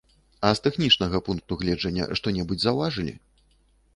А з тэхнічнага пункту гледжання што-небудзь заўважылі?